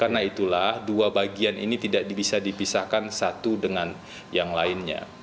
karena itulah dua bagian ini tidak bisa dipisahkan satu dengan yang lainnya